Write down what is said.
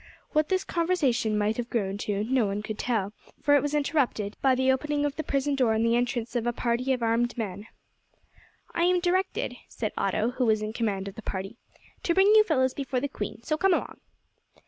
What this conversation might have grown to no one can tell, for it was interrupted by the opening of the prison door and the entrance of a party of armed men. "I am directed," said Otto, who was in command of the party, "to bring you fellows before the queen, so, come along."